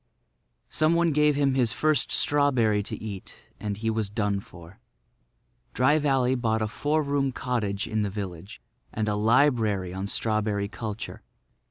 Some one gave him his first strawberry to eat, and he was done for. Dry Valley bought a four room cottage in the village, and a library on strawberry culture.